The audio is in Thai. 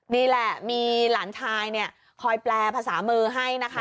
นี่แหละมีหลานชายเนี่ยคอยแปลภาษามือให้นะคะ